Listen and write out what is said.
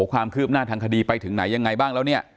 ความคืบหน้าทางคดีไปถึงไหนยังไงบ้างแล้วเนี่ย